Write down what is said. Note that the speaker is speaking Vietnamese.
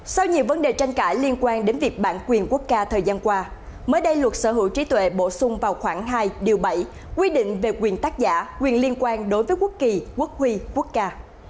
sau nhiều vấn đề tranh cãi liên quan đến việc bản quyền quốc ca thời gian qua mới đây luật sở hữu trí tuệ bổ sung vào khoảng hai điều bảy quy định về quyền tác giả quyền liên quan đối với quốc kỳ quốc huy quốc ca